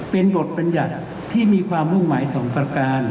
เป็นบทบัญญัติที่มีความมุ่งหมาย๒ประการ